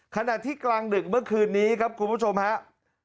ขณะที่กลางดึกเมื่อคืนนี้ครับคุณผู้ชมครับ